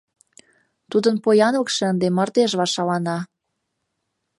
Тудын поянлыкше ынде мардежла шалана.